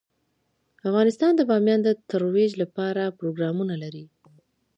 افغانستان د بامیان د ترویج لپاره پروګرامونه لري.